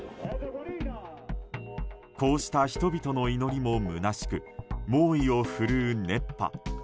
こうした人々の祈りもむなしく猛威を振るう熱波。